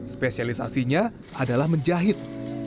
spesialisasinya adalah menjahit